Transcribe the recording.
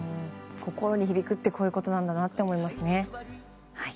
心に響くってこういうことなんだなと思いますね。